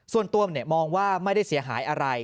ส่วนตัวมองว่าไม่ได้เสียหายอะไร